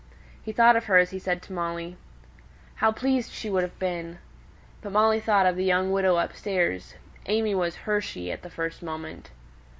He thought of her as he said to Molly, "How pleased she would have been!" But Molly thought of the poor young widow upstairs. AimÄe was her "she" at the first moment.